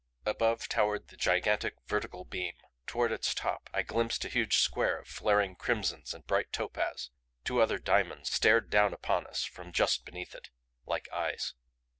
Above towered the gigantic vertical beam. Toward its top I glimpsed a huge square of flaring crimsons and bright topaz; two other diamonds stared down upon us from just beneath it like eyes.